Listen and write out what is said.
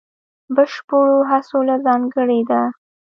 بشپړو هڅو له ځانګړې ده.